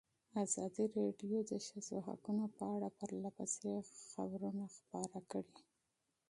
ازادي راډیو د د ښځو حقونه په اړه پرله پسې خبرونه خپاره کړي.